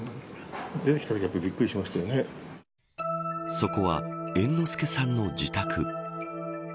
そこは猿之助さんの自宅。